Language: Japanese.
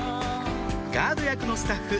ガード役のスタッフ